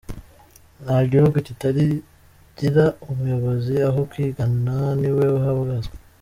Nta gihugu kitagira umuyobozi aho kigana niwe uhabazwa.